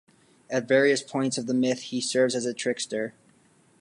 At various points of the myth he serves as a trickster.